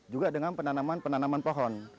juga dengan penanaman penanaman pohon